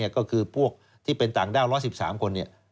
ก็คือพวกที่เป็นต่างด้าว๑๑๓คน